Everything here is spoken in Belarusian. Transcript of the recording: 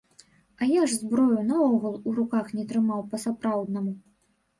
А я ж зброю наогул у руках не трымаў па-сапраўднаму.